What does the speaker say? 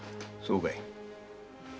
そうかい。